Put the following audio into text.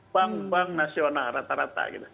bank bank nasional rata rata